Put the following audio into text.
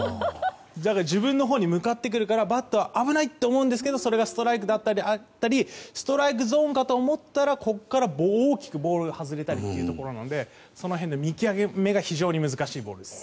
自分のほうに向かってくるからバッターは危ないと思うんですがそれがストライクだったりストライクゾーンかと思ったらここから大きくボールが外れたりというところなのでその辺の見極めが非常に難しいボールです。